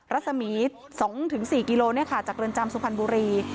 รัศมีส์สองถึงสี่กิโลเนี้ยค่ะจากเรือนจำสุพรรณบุรี